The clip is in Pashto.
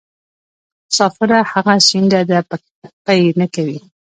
مسافره هغه شڼډه ده پۍ نکوي.